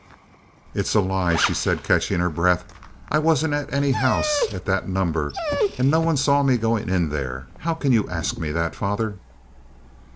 "It's a lie!" she said, catching her breath. "I wasn't at any house at that number, and no one saw me going in there. How can you ask me that, father?"